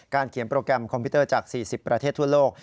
เขียนโปรแกรมคอมพิวเตอร์จาก๔๐ประเทศทั่วโลก